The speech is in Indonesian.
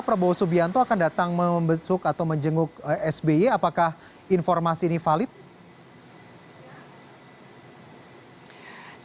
prabowo subianto akan datang membesuk atau menjenguk sby apakah informasi ini valid